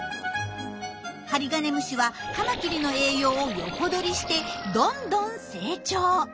ハリガネムシはカマキリの栄養を横取りしてどんどん成長。